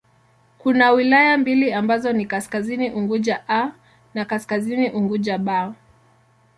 Kuna wilaya mbili ambazo ni Kaskazini Unguja 'A' na Kaskazini Unguja 'B'.